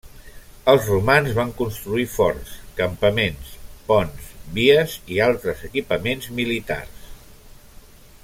Els romans van construir forts, campaments, ponts, vies i altres equipaments militars.